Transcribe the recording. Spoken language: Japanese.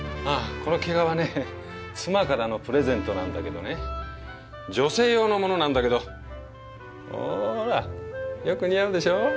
ああこの毛皮ね妻からのプレゼントなんだけどね女性用のものなんだけどほらよく似合うでしょ？